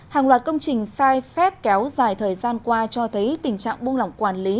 hàng loạt công trình sai phép kéo dài thời gian qua cho thấy tình trạng buông lỏng quản lý